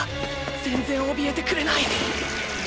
全然怯えてくれない！